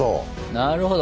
なるほど。